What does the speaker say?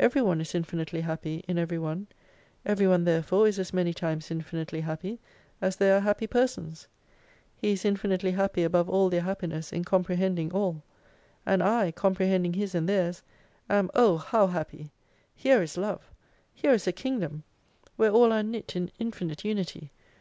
Every one is infinitely happy in every one, every one therefore is as many times infinitely happy as there are happy persons. He is infinitely happy above all their happiness in comprehending all. And I, comprehending His and theirs, am Oh, how happy ! Here is love ! Here is a kingdom ! Where all are knit in infinite unity.